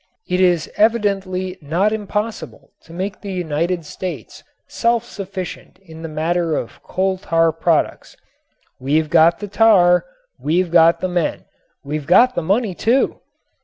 It is evidently not impossible to make the United States self sufficient in the matter of coal tar products. We've got the tar; we've got the men; we've got the money, too.